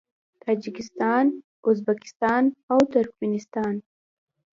تاجکستان، ازبکستان او ترکمنستان